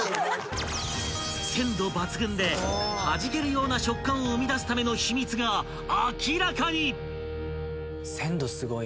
［鮮度抜群ではじけるような食感を生み出すための秘密が明らかに！］